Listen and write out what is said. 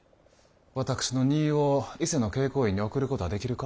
私の荷を伊勢の慶光院に送ることはできるか？